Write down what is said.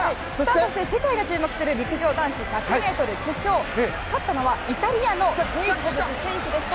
そして、世界が注目する陸上男子１００ｍ決勝勝ったのはイタリアのジェイコブズ選手でした。